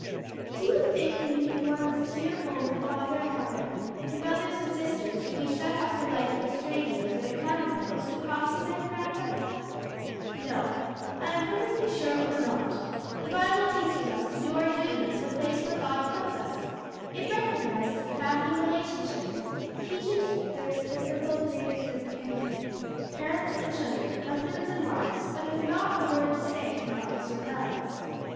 "Do you think leaving one's dear home and father and mother, and brothers and sisters to be shut up for life with strangers, in a convent, was the cross he meant, grandpa?" "No, I am perfectly sure it was not; the Bible teaches us to do our duty in the place where God puts us; it recognizes the family relationships; teaches the reciprocal duties of kinsmen, parents and children, husbands and wives, but has not a word to say to monks or nuns.